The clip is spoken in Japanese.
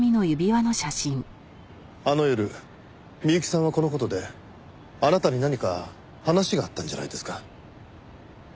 あの夜美由紀さんはこの事であなたに何か話があったんじゃないですか？